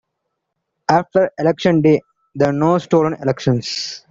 After election day, the No Stolen Elections!